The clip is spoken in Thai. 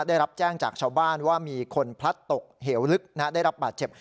ได้รับแจ้งจากชาวบ้านว่ามีคนพลัดตกเหวลึกได้รับบาดเจ็บ